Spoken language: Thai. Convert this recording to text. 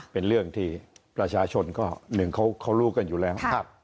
เป็นเรื่องที่ประชาชนก็หนึ่งเขารู้กันอยู่แล้ว